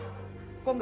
gak mungkin deh pak